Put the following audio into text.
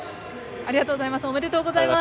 ありがとうございます。